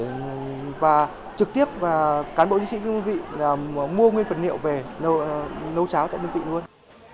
chương trình này là sự đóng góp tự nguyện của cán bộ chiến sĩ trong đơn vị hàng tháng trích được phần nương phụ cấp để ủng hộ và trực tiếp